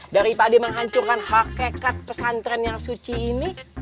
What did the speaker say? daripadi menghancurkan hakikat pesantren yang suci ini